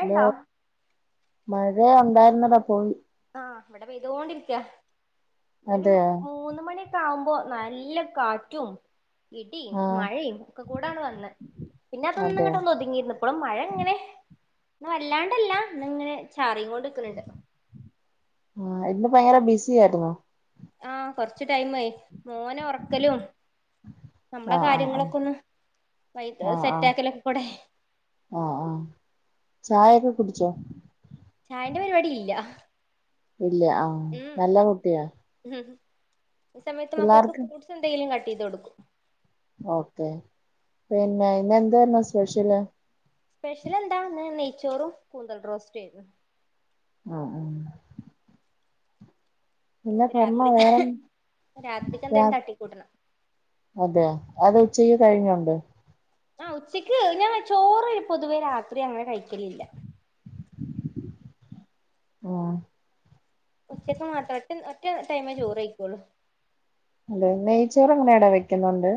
അല്ലോ മഴ ഉണ്ടായിരുന്നടാ പോയി ആഹ് ഇവിടെ പെയ്തൊണ്ടിരിക്കയാ ഇവിടെ ഒരു അതെയ മൂന്ന മണി ഇരുട്ട് ആവുമ്പോ നല്ല കാറ്റും ഇടിയും ആഹ് മഴയും ഒക്കെ കൂടാണ് വന്നത് പിന്നെ അതൊന്നങ്ങോട്ട അതെയോ ഒന്ന് ഒതുങ്ങിയിരുന്നു അപ്പോളും മഴ ഇങ്ങനെ വല്ലാണ്ടല്ല എന്ന ഇങ്ങനെ ചാറിങ്ങോണ്ട്ക്കുന്നുണ്ട് ആഹ് ഇന്ന് ഭയങ്കര ബിസി ആയിരുന്നു ആഹ് കൊറിച്ചു ടെം ആയി മോനെ ഉറക്കലും നമ്മള ആഹ് ആഹ് ആഹ് കാര്യങ്ങളൊക്കെ ഒന്ന് വൈ ആഹ് സെറ്റ ആഹ് ആക്കലൊക്കെ കൂടെ ആഹ് ആഹ് ചായൊക്കെ കുടിച്ചോ? ചായന്റെ പരിപാടി ഇല്ല. ഇല്ല ആഹ് ഉം നല്ല കുട്ടിയാ. ഈ സമയത്ത് മക്കൾക്ക് പിള്ളേർക്ക് ഫ്രൂട്ട്സ് എന്തെങ്കിലും കട്ടെയ്ത് കൊടുക്കും. ഓക്കെ. പിന്നെ ഇന്ന് എന്തായിരുന്നു സ്പെഷ്യല്? സ്പെഷെലെന്താ ഇന്ന് നെയ്ച്ചോറും കൂന്തൽ റോസ്‌റ്റ്വേയ്ന്ന്. ആഹ് ആഹ്. പിന്നെ ഇപ്പൊ പുറമെ രാത്രി വേറെ രാത്രിക്ക് രാ എന്തേലും തട്ടിക്കൂട്ടണം അതെ അത് ഉച്ചക്ക് കഴിഞ്ഞുണ്ട്. ആഹ് ഉച്ചയ്ക്ക് ഞാൻ ചോറ് പൊതുവേ രാത്രി അങ്ങനെ കഴി ക്കലില്ല. ഉം. ഉച്ചക്ക് മാത്രം ഒറ്റ ഒറ്റ ടൈമേ ചോറ് വെയിക്കൊള്ളു. അതെ നെയ്ച്ചോർ എങ്ങനെയാടാ വെക്കുന്നുണ്ട്?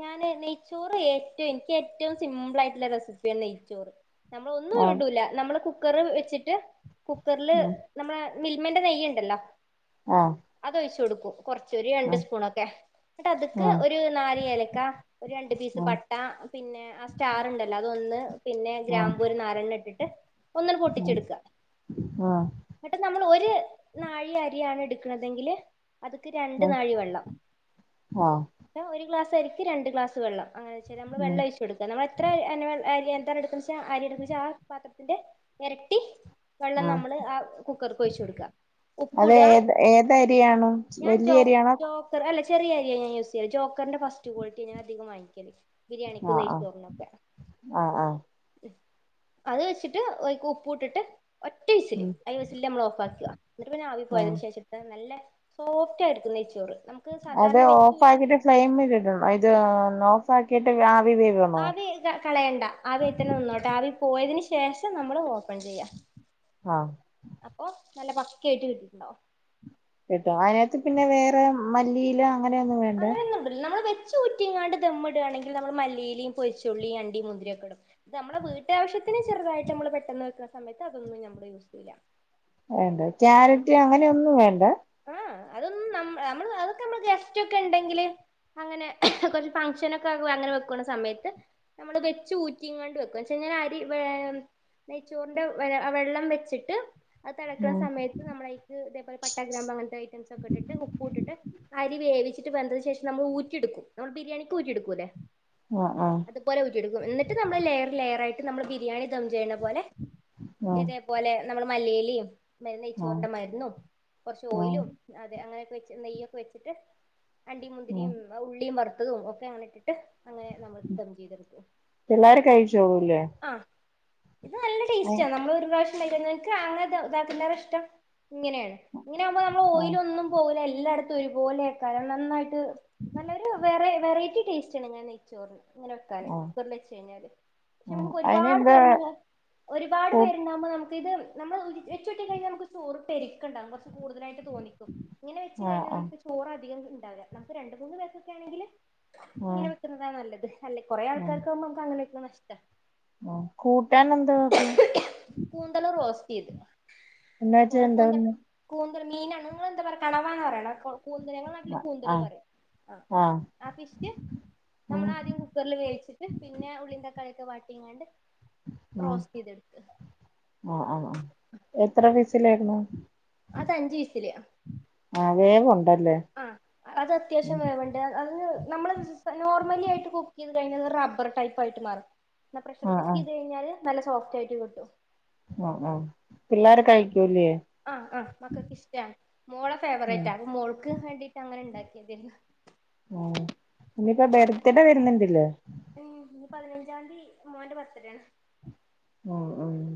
ഞാന് നെയ്ച്ചോറ് ഏറ്റവും ഇൻക്ക് ഏറ്റവും സിമ്പിൾ ആയിട്ടുള്ള റെസിപ്പിയാണ് നെയ്ച്ചോറ്. നമ്മള് ഒന്നും ആഹ് ഇടൂല നമ്മള് കുക്കറ് വെച്ചിട്ട് കുക്കർല് ഉം നമ്മളെ മിൽമന്റെ നെയ്യ്ണ്ടല്ലോ. ആഹ് അതൊഴിച്ച് കൊടുക്കും കൊർച്ച് ഒരു രണ്ട് ആഹ് സ്പൂണൊക്കെ. ഇന്നട്ട് അത്ക്ക് ആഹ് ഒരു നാല് ഏലക്ക ഒരു രണ്ട് പീസ് പട്ട പിന്നെ ആ സ്റ്റാറുണ്ടല്ലോ അതൊന്ന് പിന്നെ ആഹ് ഗ്രാമ്പൂ ഒര് നാരെണ്ണ ഇട്ടിട്ട് ഒന്നണ് ആഹ് പൊട്ടിച്ച്ട്ക്കാ. ആഹ് ഇന്നട്ട് നമ്മൾ ഒരു നാഴി അരിയാണ് എടുക്കണതെങ്കില് അത്ക്ക് രണ്ട് നാഴി വെള്ളം. ആഹ് ആഹ് ഒരു ഗ്ലാസ് അരിക്ക് രണ്ട് ഗ്ലാസ് വെള്ളം അങ്ങനെ വെച്ച് ശരി നമ്മൾ ആഹ് വെള്ളം ഒഴിച്ച് കൊടുക്കാ. നമ്മൾ എത്ര അ അന് വെൾ അരി എന്താണ് എടുക്കുന്നെച്ചാ അരി എടുക്കന്ന് വച്ചാ ആ പാത്ര ത്ത്ന്റെ എരട്ടി വെള്ളം ആഹ് നമ്മള് ആ കുക്കർക്ക് ഒഴിച്ചു കൊടുക്കാ. അത് ഏത് ഏത് അരിയാണ് വല്യ അരിയാണോ തർ അല്ല ചെറിയ അരിയറ ഞാൻ യൂസ് ചെയ്യല്. ജോക്കർന്റെ ഫസ്റ്റ് ക്വാളിറ്റി ഞാ അധികും വാങ്ങിക്കല്. ബിരിയാണിക്കും ആഹ് ആഹ് നെയ്ച്ചോറിനൊക്കെ. ആഹ് ആഹ് ഉം അത് വെച്ചിട്ട് അയ്ക്ക് ഉപ്പൂട്ടിട്ട് ഒറ്റ വിസില് ഉം ആയ വിസിലില് നമ്മൾ ഓഫാക്കാ. ഇന്നട്ട് പിന്നെ ആവി ആഹ് പോയതിനു ശേഷം ദ നല്ല സോഫ്റ്റായിടുക്കും നെയ്ചോറ്. നമുക്ക് സാധാരണ വെച്ചൂറ്റ്ണ നെ ഫ്ലെയ്മിലിടണോ ഇത് ഓഫ് ആക്കീട്ട് ആവി വേവണോ? [unintelligible] കളയെണ്ട. ആവി അയ്ത്തന്നെ നിന്നോട്ടെ ആവി പോയതിന് ശേഷം നമ്മള് ഓപ്പൺ ചെയ്യ. ആഹ്. അപ്പൊ നല്ല പക്ക ആയിറ്റ് കിട്ടീട്ട്ണ്ടാവും. കിട്ടും. അതിനാത്ത് പിന്നെ വേറെ മല്ലിയില അങ്ങനെയൊന്നും വേണ്ടേ അങ്ങനെയൊന്നും ടുല്ല നമ്മള് വെ ച്ചൂറ്റിംങ്ങാണ്ട് ദമ്മിടാണെങ്കിൽ നമ്മള് മല്ലിയിലിം പൊര്ച്ചുള്ളിം അണ്ടിംമുന്തിരിയൊക്കെ ഇടും. ദ് നമ്മളെ വീട്ടാവശ്യത്തിന് ചെറുതായിട്ട് നമ്മള് പെട്ടെന്ന് വെക്ക്ണ സമയത്ത് അതൊന്നും ഞമ്മള് യൂസൂല്ല. വേണ്ട. ക്യാരറ്റ് അങ്ങനെയൊന്നും വേണ്ട? ആഹ് അതൊന്നും നം നമ്മള് അതൊക്കെ നമ്മള് ഗസ്റ്റ് ഒക്കെ ണ്ടെങ്കില്. അങ്ങനെ കൊർച്ച് ഫംഗഷനൊക്കെ അങ്ങനെ വെക്ക്ണ സമയത്ത് നമ്മള് വെച്ച് ഊറ്റിംങ്ങാണ്ട് വെക്കും. എന്ന് വെച്ചയിഞ്ഞാല് അരി വേ നെയ്ച്ചോറിന്റെ വെ വെള്ളം വെച്ചിട്ട് അത് തെളക്ക്ണ ഉം സമയത്ത് നമ്മളയ്ക്ക് ഇതേപോലെ പ പട്ട ഗ്രാമ്പുഅങ്ങനത്തെ ഐറ്റംസ് ഒക്കെ ഇട്ടിട്ട് ഉപ്പും ഇട്ടട്ട് അരി വേവിച്ചിട്ട് വെന്തന് ശേഷം നമ്മൾ ഊറ്റിയെടുക്കും നമ്മൾ ബിരിയാണിക്ക് ഊറ്റി എടുക്കു ല്ലെ അഹ് അഹ് അതുപോലെ ഊറ്റിയെടുക്കും എന്നിട്ട് നമ്മൾ ലെയർ ലെയർ ആയിട്ട് നമ്മൾ ബിരിയാണി ദം ചെയ്യുന്ന പോലെ ആഹ് ഇതേ പോലെ നമ്മൾ മല്ലിയിലയും മരന്ന് ആഹ് നെയ്ച്ചോരുടെ മരുന്നു കുറച്ച് ആഹ് ഓയിലും അത അങ്ങനെയൊക്കെ വെച്ച് നെയ്യ ഒക്കെ വെച്ചിട്ട് അണ്ടിയും ആഹ് മുന്തിരിയും ഉള്ളിയും വറുത്തതും ഒക്കെ അങ്ങനെ ഇട്ടിട്ട് അങ്ങനെ നമ്മൾ ദം ചെയ്തെടുക്കും എല്ലാരും കഴിച്ചോളുലേ ആഹ് ഇത് നല്ല ടേസ്റ്റ് ആ നമ്മൾ ഒരു പ്രാവശ്യ നിക്ക് അങ്ങനെ ഇതാക്കുന്ന ഇഷ്ടം ഇങ്ങനെയാണ് ഇങ്ങനെകുമ്പോൾ നമ്മൾ ഓയിയില ആഹ് ഒന്നും പോവൂലഎല്ലായിടത്തും ഒരു പോലെയക്കെ അ നന്നായിട്ട് നല്ലൊരു വറ വെറൈറ്റി ടേസ്റ്റ് ആണ് ങ്ങനെ കഴി- ചോറിൽ ഇങ്ങനെ വെക്കാന് ആഹ് കുക്കറിൽ വെച്ച് കഴിഞ്ഞാല് പക്ഷെ ആഹ് നമുക്ക് ഒരുപാട് അയിനെന്താ പേരുണ്ടാവ ഒരുപാട് കൂ പേരുണ്ടാകുമ്പോ നമുക്ക് ഇത് നമ്മ വെച്ചോട്ടി കഴിഞ്ഞാ നമുക്ക് ചറ് പെരിക്കണ്ടാവും കുറച്ച് കൂടുതലായിട്ട തോന്നിക്കും ഇങ്ങനെ വെച്ച് ആഹ് കഴിഞ്ഞാൽ ആഹ് നമക്ക് ചോറ അധികം ഉണ്ടാവില്ല നമുക്ക് രണ്ട് മൂന്ന് പേർ ക്കൊക്കെ ആണെങ്കില് ഇങ്ങനെ ആഹ് വെക്കുന്നതാ നല്ലത് അല്ലേ കുറെ ആൾക്കാർക്കാവുമ്പോ നമുക്ക് അങ്ങനെ വെക്കണ നഷ്ട കൂട്ടൻ എന്താ വെക്കും കൂന്തല് റോസ്റ്റ് ചെയ്തത് എന്ന് വെച്ചാ നിങ്ങൾ ക്ക് എന്താ എന്താന്ന് കൂന്തൽ മീന നിങ്ങൾ എന്താ പറ കണവന്ന് പറയ കൂന്തല് ഞങ്ങടെനാട്ടില് കൂന്തല് ആഹ് പറയും ആഹ് ആഹ് ഫിഷ് നമ്മൾ ഉം ആദ്യം കുക്കറിൽ വേവിച്ചിട്ട് പിന്നെ ഉള്ളീൻ തക്കാളിയൊക്കെ വാട്ടിങ്ങാണ്ട് ഉം റോസ്റ്റ് ചെയ്തെടുക്ക ആഹ് ആഹ് ആഹ് എത്ര ഫീസിലേർന്നു അതഞ്ച് വിസല് ആഹ് വേവുണ്ടല്ലേ ആഹ് അത് അത്യാവശ്യം വേവ് ണ്ട് അ അത് നമ്മള് നോർമലി ആയിട്ട് കുക്ക് ചെയ്ത് കഴിഞ്ഞത് റബ്ബർ ടൈപ്പ് ആയിട്ട് മാറും. എന്നാ പ്രഷർ ആഹ് കുക്ക് ആഹ് ചെയ്ത് കഴിഞ്ഞാൽ നല്ല സോഫ്റ്റായിട്ട് കിട്ടും. ആഹ് ആഹ് പിള്ളോര് കഴിക്കൂലേ ആഹ് ആഹ് മക്കൊക്ക് ഇഷ്ടാണ് മോളെ ഉം ഫേവറേറ്റ് ആണ് അപ്പൊ മോൾക്ക് വേണ്ടിട്ട് അങ്ങനെണ്ടാക്കിയതേനി. ആഹ് ഇനിപ്പോ ബെർത്ത്ഡ വരുന്നുണ്ട്ല്ലോ ഉംഹ് നി പതിനഞ്ചാംതീ മോന്റെ ബർത്ത്ഡേ ആണ്. ഉംഹ് ഉംഹ്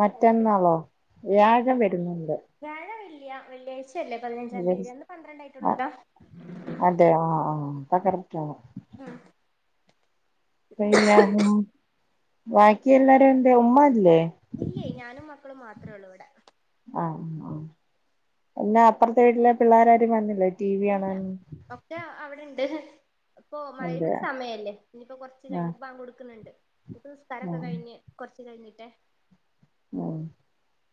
മറ്റന്നാളോ വ്യാഴം വരുന്നുണ്ട്. വ്യാഴ അല്ല വെള്ളിയാഴ്ചയല്ലേ പതിനഞ്ചാം തീയതി ഇന്ന് പന്ത്രണ്ടായിട്ടുള്ളൂല്ലോ. അതെ ആഹ് ആഹ് പ്പ കറക്ടാണ്. ഉം പിന്നെ ഇം ബാക്കി എല്ലാരും എന്തേ ഉമ്മ ഇല്ലേ. ഇല്ലേ ഞാനും മക്കളും മാത്ര ഉള്ളൂ ഇവിടെ. ആഹ് ന്നോ അല്ലഅപ്പുറത്തെ വീട്ടിലെ പിള്ളേര് ആ രും വന്നില്ലേ ടി വി കാണാൻ ഇല്ല ഒന്നും ഒക്കെ അവിടെണ്ട് ഇപ്പൊ അതെ മഹ്‌രിബിന്റെ സമയമല്ലേ ഇനിയിപ്പോ കൊറ്ച്ച് ആഹ് കഴിഞ്ഞ് ബാങ്ക് കൊടുക്കുന്നുണ്ട് ഞ്ഞ്പ്പ നിസ്കാരംക്കെ ആഹ് കഴിഞ്ഞ് കൊറ്ച്ച് കഴിഞ്ഞിട്ടേ ഉംഹ്.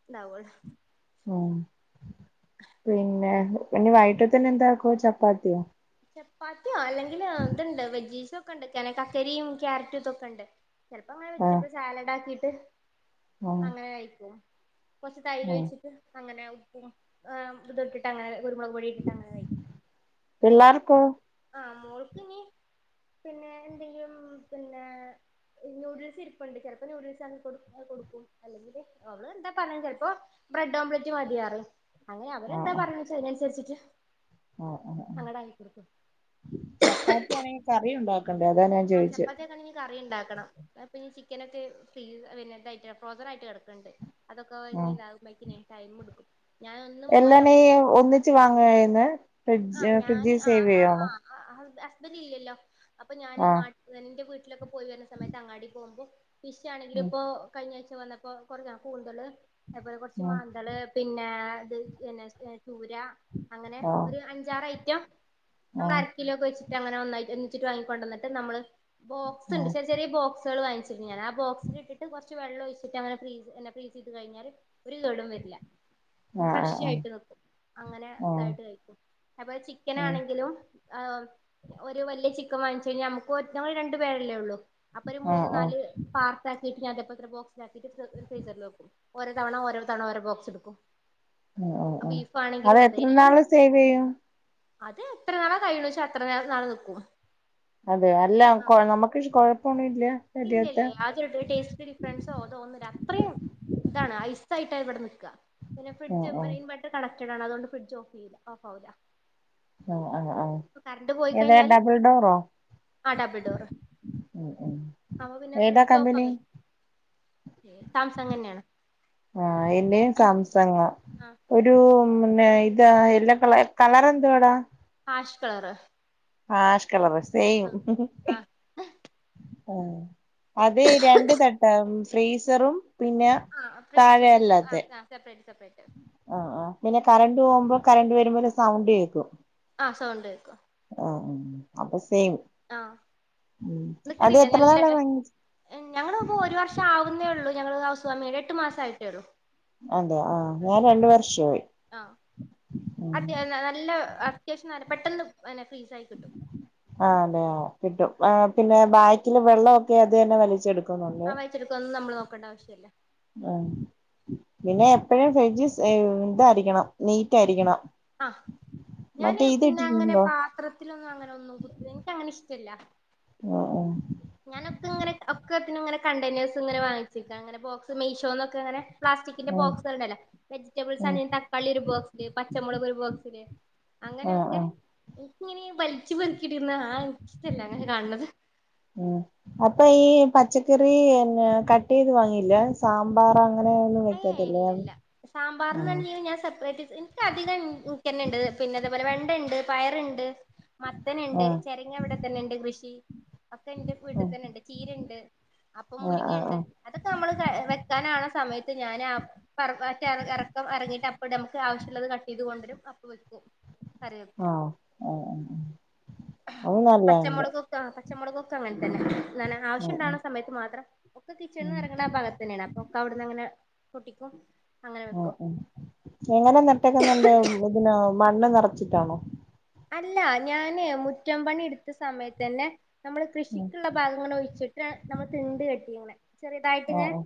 ണ്ടാവൊള്ളു. ഉംഹ് പിന്നെ ഇനി വൈകിട്ടെത്തിന് എന്താക്കുവ ചപ്പാത്തിയോ ചപ്പാത്തിയോ അല്ലെങ്കിൽ ഇതുണ്ട് വെജീസൊക്കെണ്ട് നെ കക്കരിയും ക്യാരറ്റും ഇതൊക്കെണ്ട്. ചെലപ്പോങ്ങനെ ആഹ് വെജിറ്റബിൾ സാലഡ് ആക്കിട്ട് ആഹ് അങ്ങനെ കഴിക്കും കൊറച്ച് തൈര് ആഹ് ഒഴിച്ചി പ്പും അങ്ങനെ ഉപ്പും ഇത് ഇട്ടിട്ട് അങ്ങനെ കുരുമുളക് പൊടി ഇട്ടിട്ട് അങ്ങനെ കഴിക്കും. മോൾക്ക് പിള്ളാർക്കോ? ആഹ് മോൾക്ക് നി പിന്നെ എന്തെങ്കിലും പിന്നെ. നൂഡിൽസ് ഇരിപ്പുണ്ട്. ചെലപ്പോ നൂഡിൽസ് ആക്കി കൊടുഏഹ് കൊടുക്കും. അല്ലെങ്കിൽ അവള് എന്താ പറയാ ചെലപ്പോ ബ്രെഡ് ഓംലെറ്റ് മതിയാറിം. അങ്ങനെ ആഹ് അവരെന്താ പറയ്ണാച്ച അതിനനുസരിച്ചിട്ട്. ആഹ്, ആഹ്. അങ്ങട് ആക്കി കൊടുക്കും. ചപ്പാത്തിയാണെങ്കി കറിയുണ്ടോ? [unintelligible] ആഹ് ചപ്പാത്തിയാക്കണംഞ്ഞ്. കറി ണ്ടാക്കണം. പിന്ന ചിക്കനൊക്കെ ഫ്രീ പിന്നെതായിറ്റ് ഫ്രോസറായിട്ട് കെടക്ക്ണ്ട്. അതൊക്കെ നി ആഹ് ഇതാവുമ്പോക്കിനേ ടൈം ട്ക്കും. എല്ലാമേ ഒന്നിച്ച് വാങ്ങ ചെയ്യുന്നെ ഫ്രിഡജ് ഫ്രിഡ്ജി സേവ് ചെയ്യാണോ. ഹ ഹ ഹസ്ബന്റ് ഇല്ല്യല്ലോ അപ്പൊ ഞാൻ ആഹ് നാട്ട എന്റെ വീട്ടിലൊക്കെ പോയി വരുന്ന സമയത്ത് അങ്ങാടി പോകുമ്പോ ഫിഷ് ആണെങ്കില് ഉം ഇപ്പോ. കഴിഞ്ഞാഴ്ച വന്നപ്പോ കൊറഞ്ഞ കൂന്തള് അതുപോലെ കൊറ്ച്ച്, മാന്തള്. പിന്നെ ത് ചൂര അങ്ങനെ. ഒരു ഉം അഞ്ചാറ് ഐറ്റം നമ്മള് അര കിലോ ഒക്കെ വെച്ചിട്ട് അങ്ങന ഒന്നായിട്ട് ഒന്നിച്ചിട്ട് വാങ്ങിക്കൊണ്ടന്നിട്ട് നമ്മള്. ബോക്സ്ണ്ട് ശ ചെറിയ ബോക്സാൾ വാങ്ങിച്ച് ണ്ട് ഞാൻ ആ ബോക്സിലിട്ടിട്ട് കൊറ്ച്ച് വെള്ളം ഒഴിച്ചിട്ട് ങ്ങനെ ഫ്രീസ് എന്ന ഫ്രീസ് ചെയ്ത് കഴിഞ്ഞാല്. ഒര്കേടും വരില്ല. ആഹ് ആഹ് ആഹ് ഫ്രഷ്യായിട്ട് നിക്കും. അങ്ങനെ ആഹ് ഇതായിട്ട് കഴിക്കും. അതുപോലെ ആഹ് ചിക്കനാണെങ്കിലും. ഏഹ് ഒരു വലിയ ചിക്കൻ വാങ്ങിച്ചു കഴിഞ്ഞാ ഞമുക്ക് ഒറ്റ ഞങ്ങൾ രണ്ടു പേരല്ലേ ഉള്ളു. അപ്പൊ ഒരു ആഹ് ആഹ് ആഹ് ആഹ് മൂന്ന് ആഹ് നാല് പാർട്ട് ആക്കിയിട്ട് ഞാൻ ഇതേപോലത്തന്നെ ബോക്സിലാക്കിയിട്ട് ഫ്രീസറിൽ വെക്കും. ഓരോ തവണ, ഓരോ തവണ ഓരോ ബോക്സ് എടുക്കും. ആഹ്, ആഹ്, ആഹ് ബീഫ് അത് ആണെങ്കിലും അതെ എത്ര എല്ലാം നാള് സേവ് ചെയ്യും. അത് എത്ര നാള കൈയ്യുണുച്ചാ അത്ര നെ നാള് നിക്കും. അതെ അല്ല കൊനമുക്കിഷ് കൊഴപ്പൊന്നുല്ല. ഇല്ല ഇല്ല യാതൊരു [unintelligible] ടേസ്റ്റ് തിരി ഫ്രണ്ട്സോ അതോ ഒന്നില്ല അത്രയും ഇതാണ് ഐസായിട്ട ഇവിടെ നിക്ക. പിന്ന ഉം ഫ്രഡ്ജ് ഉം ഇൻവർട്ടർ കണക്റ്റ്ടാണ് അതുകൊണ്ട് ഫ്രഡ്ജ് ഓഫ്യ്യില്ല ഓഫാവില്ല. ആഹ്, ആഹ്, ആഹ് ഇ കറണ്ട് പോയി ഏതാ കഴിഞ്ഞാളും ഡബിൾ ഡോറോ ആ ഡബിൾ ഡോറ്. ഉം ഉം അപ്പ പിന്നെ ഏതാ ഫ്രിഡ്ജ് കമ്പനി ഓഫാവില്ല സാംസങ് തന്നെയാണ്. ആഹ് എന്റെയും സാസംങ്ങ. ആ ഒരു പിന്നെ ഇതാ എല്ലാ കള കളറെന്തുവാടാ? Hash colour. Hash colour same ആ ആ. അത് രണ്ട് തട്ട ഫ്രീസറും പിന്നെ. ആ ഫ്രിഡ്ജും താഴെ ആഹ് സെപ്പറേറ്റ്, സെപ്പറേറ്റ്. ആ, ആ പിന്നെ കറണ്ട് പോകുമ്പോ കറണ്ട് വരുമ്പോല സൗണ്ട് കേക്കും. ആ സൗണ്ട് കേക്കും. ആ ഉം അപ്പൊ സെയിം. ആഹ് ഉം അത് നിക്കണില്ലേ എത്ര ഞല്ലത് നാളായി വാങ്ങി ഞങ്ങളിപ്പോ ഒരു വർഷം. ആവുന്നേ ഉള്ളൂ ഞങ്ങള് ഹൌസ് വാമിങ് എട്ട് മാസ ആയിട്ടേ ഉള്ളൂ അതെ ആഹ ഉം ഞാൻ രണ്ട് വർഷയി അത് നല്ല അത്യാവശ്യം നല്ല പെട്ടെന്ന് പിന്നെ ഫ്രീസ ആയി കിട്ടും ആ അതെയ കിട്ടും പിന്നെ ബാക്കില് വെള്ളമൊക്കെ അത് തന്നെ വലിച്ചെടുക്കുന്നുണ്ട് ടുക്ക നമ്മൾ നോക്കണ്ടവശ്യമല്ല ഉ പിന്നെ എപ്പഴും ഫ്രിഡ്ജ് ഇതായിരിക്കണം നീറ്റ് ആയിരിക്കണം ആഹ് ഞാന് മറ്റേ ഇത് പിന്നെ അങ്ങനെ ഇട്ടിട്ടുണ്ടോ പാത്രത്തിലൊന്നും അങ്ങനെ ഒന്നും എനിക്കങ്ങനെ ഇഷ്ടല്ല ആഹ ആഹ ഞാനൊക്കെ ഇങ്ങനെ ഒക്കത്തിനനെ കണ്ടനേഴ്സ് ഇങ്ങെ വാങ്ങിച്ചിക്ക അങ്ങന ബോസ് മീഷോ എന്നൊക്കെ അങ്ങനെ പ്ലാസ്റ്റിന്റെ ആ ബോക്സ്ണ്ടല്ലോ വെജറ്റബിൾ ആ ആണെങ്ക തക്കാളി ഒരു ബോക്സ് പച്ച മുളക് ഒരു ബോക്സില് ആ ആ അങ്ങനെയൊക്കെ ആ ഇങ്ങനെ വലിച്ചു പെറക്കിട്ടുന്ന ആ ഇഷ്ടമല്ല അങ്ങനെ കാണത് ഉം അപ്പൊ ഈ പച്ചക്കറിന്ന കട്ട് ചെയ്ത് വാങ്ങില്ല സാമ്പാർ അങ്ങനെ ഒന്നും അയ വെക്കത്തില്ലേ ഇല്ല ഇല്ല ആ സാമ്പാർന്ന് ഞാൻ സെപ്പറേറ്റ് അധികംക്ക ഉണ്ട് പിന്നെ അതേപോലെ വെണ്ട ഉണ്ട് പയറുണ്ട് മത്തനുണ്ട് ആ ചെ ഇവിടെത്തന്നെ ഉണ്ട് കൃഷി അക്കണ്ട് ആ വീട്ടിൽ തന്നെ ഉണ്ട് ചീരണ്ട് അപ്പൊ ആ ആ മുരിങ്ങയൂണ്ട് ആ അതൊക്കെ നമ്മള് വെക്കാനാണ് സമയത്ത് ഞാൻ ഇറക്ക ഇറങ്ങിട്ട് അപ്പ നമുക്ക് ആവശ്യമുള്ളത് കട്ട് ചെയ്ത് കൊണ്ടരും ആ ആഹ ഉം പച്ചമുള്ക് ക്ക പച്ചമുള് ക് ക്ക അങ്ങനെ തന്നെ ന ഉം ഉം ആവശ്യുണ്ടണുന്ന സമയത്ത് മാത്രം ഒക്കകിച്ചനിന്ന് ഉം ഇറങ്ങണ്ട ആ ഭാഗത്ത് തന്നെയാണ് അപ്പൊ ഒക്കെ അവിടുന്ന് അങ്ങനെ പൊട്ടിക്കും അങ്ങനെ വെക്കും ഉം എങ്ങനെ നട്ടക്കുന്നുണ്ട് ഇതിന് മണ്ണ് നിറച്ചിട്ടാണോ അല്ല ഞാന് മുറ്റപണി എടുത്ത സമയത്ത്ന്നെ നമ്മള് ഉം കൃഷിക്കുള്ള ഭാഗങ്ങനെ ഒഴിച്ചിട്ട് നമ്മള് തിണ്ട കെട്ടി ഇങ്ങനെ ചെറിയതായിട്ട് ആ ഇങ്ങനെ ആ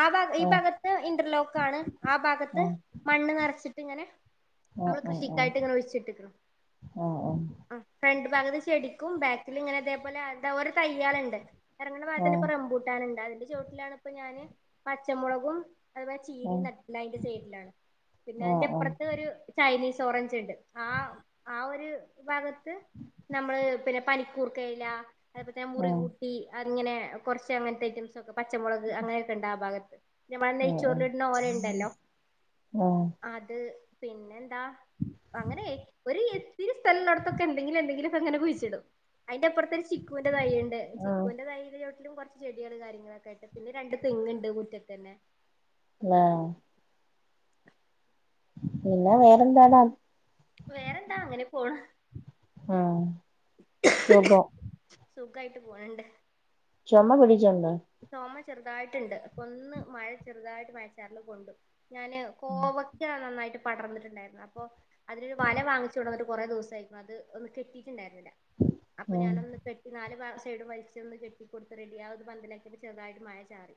ആ ഭാഗ ഈ ഭാഗത്ത് ഇന്റർലോക്ക് ആണ് ആ ഭാഗത്ത് മണ്ണ് നിറച്ചിട്ട് ഇങ്ങനെ നമ്മള് കൃഷിക്കായിട്ട് ഇങ്ങനെഒഴിച്ചിട്ടിക്കണം ആഹ ആഹ ആ ഫ്രണ്ട് ഭാഗത്ത് ചെടിക്കും ബാക്കില ഇങ്ങനെ അതേപോലെ അ ഓരോ തയ്യളുണ്ട് ഇറങ്ങണ ആ ഭാഗത്തി ഇപ്പ റംമ്പൂട്ടാനുണ്ട് അതിന്റെ ചുവട്ടിലാണ ഇപ്പ ഞാന് പച്ചമുളകും അതുപോലെ ചീരീ നട്ടത് അയിന്റെ സൈഡിലാണ്. പിന്നെ ആ ആ അതിന്റെപ്പുറത്തെ ഒരു. ചൈനീസ് ഓറഞ്ച്ണ്ട്. ആ ആ ഒരു ഭാഗത്ത് നമ്മള് പിന്നെ പ- കൂർക്കയില, അതേപോല തന്നെ ആ മുറികൂട്ടി അങ്ങനെ കുറച്ച് അങ്ങനത്തെ ഐറ്റംസ്. പച്ചമുളക് അങ്ങനെയൊക്കെണ്ട് ആ ഭാഗത്ത്. ഞമ്മളാ ഉം ഉം നെയ്ച്ചോറിലിടുന്ന ഓലണ്ടല്ലോ? ആഹ് അത്. പിന്നെന്താ അങ്ങനെ. ത്തിരി സ്ഥലള്ളോട്ത്തൊക്കെ എന്തെങ്കിലും എന്തെങ്കിലൊക്കെ ങ്ങനെകുഴിച്ചിടും. അയിന്റെപ്പറത്തൊരു ചിക്കുന്റെ തൈയ്യിണ്ട്. ആഹ് ചിക്കുന്റെ തയ്യിന്റെ ചോട്ടിലും കുറച്ച് ചെടികൾ കാര്യങ്ങളൊക്കൊയിട്ട് പിന്നെ രണ്ട് തെങ്ങ്ണ്ട്, മുറ്റത്തെന്നെ. ആഹ. പിന്നെ വേറെന്താടാ.? വേറെന്താ അങ്ങനെ പോണ്. ആ സുഖം. സുഖായിട്ട് പോണണ്ട്. ചൊമ പിടിച്ചീണ്ടോ? ചൊമ ചെറുതായിട്ട്ണ്ട്. അപ്പൊ ഒന്ന് മഴ ചെറുതായിട്ട് മഴച്ചാറൽ കൊണ്ടു. ഞാന്. ഉം കോവക്ക നന്നായിട്ട് പടർന്നിട്ടുണ്ടായിരുന്നു അപ്പൊ. അതിനൊരു വല വാങ്ങിച്ചു കൊടന്നിട്ട് കുറേ ദിവസയിക്ക്ണ് അത് ഒന്ന് കെട്ടിട്ടുണ്ടായിരുന്നില്ല. അപ്പൊ ഉം ഞാനൊന്ന് കെട്ടി നാല് ഭാ സൈഡ് വലിച്ചൊന്ന് കെട്ടി കൊടുത്ത് റെഡിയാ പന്തലാക്കിട്ട് ചെറുതായിട്ട് മഴ ചാറി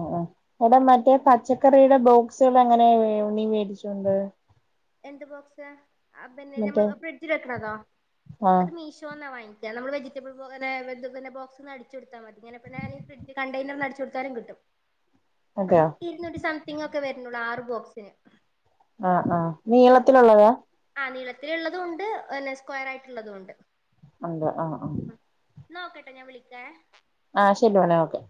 ആഹ് ആഹ് എടാ മറ്റേ പച്ചക്കറിയുടെ ബോക്സുകൾ എങ്ങനെ നീ മേടിച്ചോണ്ട്. എന്ത് ബോക്സ് പിന്നെ നമ്മൾ മറ്റേ ഫ്രിഡ്ജിൽ വെക്കണതോ? ആഹ് അത് മീഷോന്നാ വാങ്ങി അത് നമ്മൾ വെജിറ്റബിൾ പിന്നെ വെജിറ്റബിൾ ബോക്സ് അടിച്ചൊടുത്താ മതി ഇങ്ങനെ ഫ്രിഡ്ജ് കണ്ടെയനർന്ന് അടിച്ചൊട്ത്താലും കിട്ടും. അതെയോ ഇരുന്നൂറ്റി സംതിങ് ഒക്കെ വരുന്നുള്ളൂ ആറ് ബോക്സിന്. ആഹ് ആഹ് നീളത്തിലുള്ളതാ? ആ നീളത്തിലുള്ളതും ഉണ്ട് പിന്നെ സ്ക്വയർ ആയിട്ടുള്ളതും ഉണ്ട്. ഉണ്ട് ആഹ് ആഹ് ന്നാ ഒക്കെട്ടോ ഞാൻ വിളിക്കാ. ആഹ് ശരി [unintelligible] ഓക്കെ.